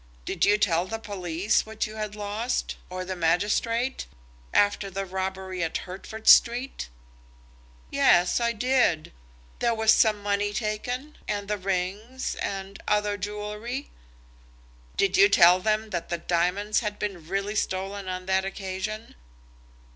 Did you tell the police what you had lost, or the magistrate, after the robbery in Hertford Street?" "Yes; I did. There was some money taken, and rings, and other jewellery." "Did you tell them that the diamonds had been really stolen on that occasion?"